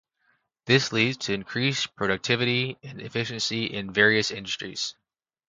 This leads to increased productivity and efficiency in various industries.